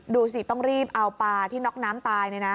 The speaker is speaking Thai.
ดูสิต้องรีบเอาปลาที่น็อกน้ำตาย